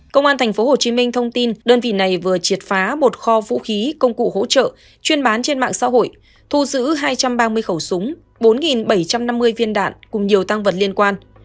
công an tp hcm thông tin đơn vị này vừa triệt phá một kho vũ khí công cụ hỗ trợ chuyên bán trên mạng xã hội thu giữ hai trăm ba mươi khẩu súng bốn bảy trăm năm mươi viên đạn cùng nhiều tăng vật liên quan